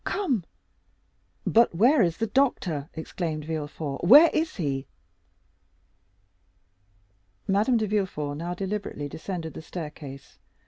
come!" "But where is the doctor?" exclaimed Villefort; "where is he?" Madame de Villefort now deliberately descended the staircase.